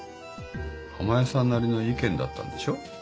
浜谷さんなりの意見だったんでしょ。